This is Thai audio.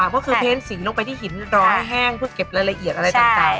ก็คือเพ้นสีลงไปที่หินรอให้แห้งเพื่อเก็บรายละเอียดอะไรต่าง